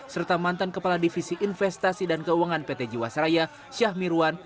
serta mantan kepala divisi investasi dan keuangan pt jiwasraya syah mirwan